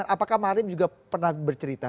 apakah marim juga pernah bercerita